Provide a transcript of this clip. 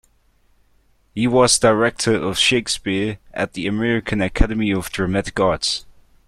He was director of Shakespeare at the American Academy of Dramatic Arts.